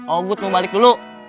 oguh mau balik dulu